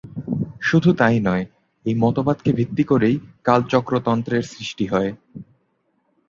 শুধু তাই নয়, এ মতবাদকে ভিত্তি করেই কালচক্রতন্ত্রের সৃষ্টি হয়।